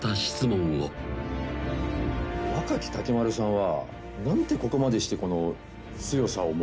「若木竹丸さんは」